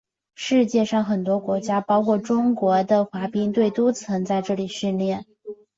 世界上很多国家包括中国的滑冰队都曾在这里训练。